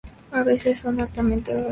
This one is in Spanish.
Son aves altamente gregarias.